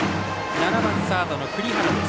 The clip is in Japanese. ７番、サードの栗原。